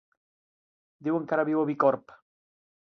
Diuen que ara viu a Bicorb.